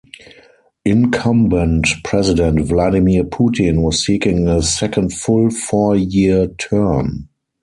Incumbent President Vladimir Putin was seeking a second full four-year term.